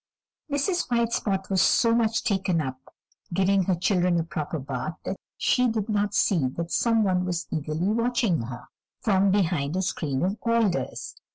Mrs. White Spot was so very much taken up giving her children a proper bath that she did not see that some one was eagerly watching her from behind a screen of alders.